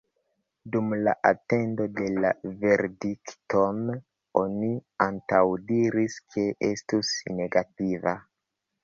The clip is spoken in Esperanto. Dum la atendo de la verdikton oni antaŭdiris ke estus negativa.